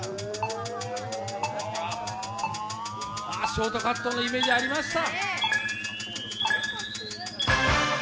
ショートカットのイメージ、ありました。